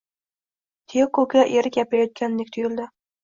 Tiyokoga eri gapirayotgandek tuyuldi